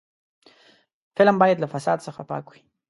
فلم باید له فساد څخه پاک وي